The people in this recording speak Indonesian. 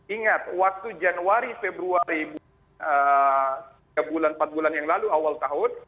ingat waktu januari februari tiga bulan empat bulan yang lalu awal tahun